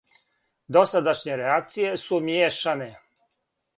Досадашње реакције су мијешане.